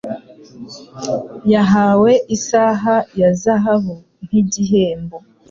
Yahawe isaha ya zahabu nkigihembo.